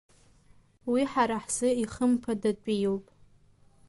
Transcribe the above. Уи ҳара ҳзы ихымԥадатәиуп.